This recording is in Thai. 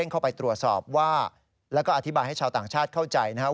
เข้าไปตรวจสอบว่าแล้วก็อธิบายให้ชาวต่างชาติเข้าใจนะครับ